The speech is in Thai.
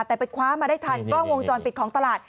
แต่ไปคว้ามาได้ทันกล้องวงจรปิดของตลาด